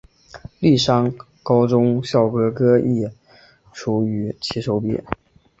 丽山高中校歌歌词亦出于其手笔。